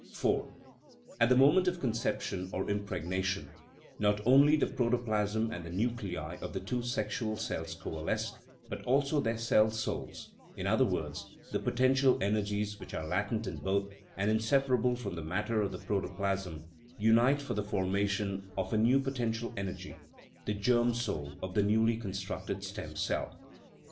IV. At the moment of conception or impregnation, not only the protoplasm and the nuclei of the two sex ual cells coalesce, but also their "cell souls"; in other words, the potential energies which are latent in both, and inseparable from the matter of the protoplasm, unite for the formation of a new potential energy, the " germ soul " of the newly constructed stem cell.